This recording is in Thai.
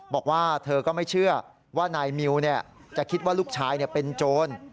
บอกว่าเธอก็ไม่เชื่อว่านายมิวจะคิดว่าลูกชายเป็นโจร